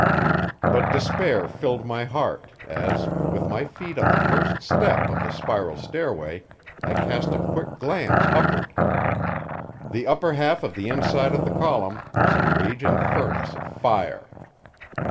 But despair filled my heart as, with my feet on the first step of the spiral stairway, I cast a quick glance upward. The upper half of the inside of the column was a raging furnace of fire.